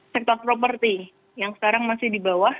sektor properti yang sekarang masih di bawah